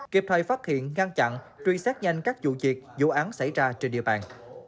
kịp thời phát hiện ngăn chặn truy xét nhanh các vụ việc vụ án xảy ra trên địa bàn